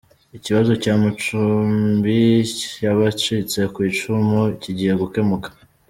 Ikibazo cy’amacumbi y’abacitse ku icumu kigiye gukemuka